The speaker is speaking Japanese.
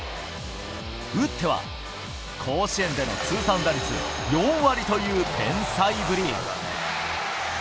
打っては、甲子園での通算打率４割という天才ぶり。